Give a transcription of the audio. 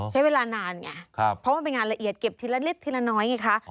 ใช้เวลานานไงเพราะมันเป็นงานละเอียดเก็บทีละนิดทีละน้อยไงคะ